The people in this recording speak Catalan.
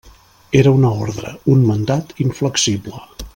Era una ordre, un mandat inflexible.